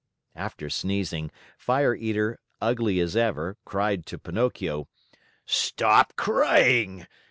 After sneezing, Fire Eater, ugly as ever, cried to Pinocchio: "Stop crying!